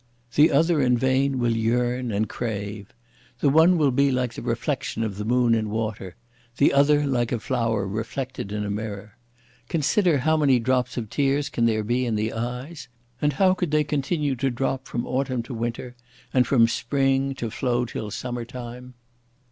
The other in vain will yearn and crave. The one will be like the reflection of the moon in water; the other like a flower reflected in a mirror. Consider, how many drops of tears can there be in the eyes? and how could they continue to drop from autumn to winter and from spring to flow till summer time?